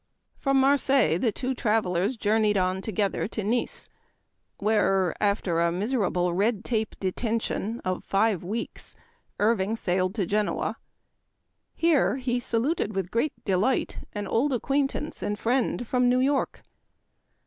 From Marseilles the two travelers journeyed on together to Nice, where, after a miserable " red tape " detention of five weeks, Irving sailed to Genoa. Here he saluted with great delight an old acquaintance and friend from New York.